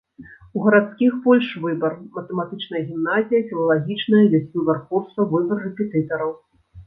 У гарадскіх больш выбар, матэматычная гімназія, філалагічная, ёсць выбар курсаў, выбар рэпетытараў.